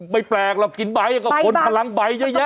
ไม่แปลกหรอกกินใบกับคนพลังใบเยอะแยะ